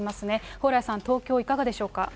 蓬莱さん、東京、いかがでしょうか。